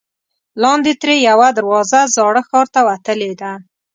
لاندې ترې یوه دروازه زاړه ښار ته وتلې ده.